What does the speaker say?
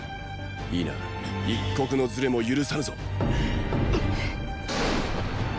いいな一刻のずれも許さぬぞ！